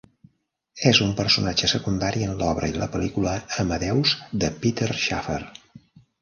És un personatge secundari en l'obra i la pel·lícula "Amadeus", de Peter Shaffer.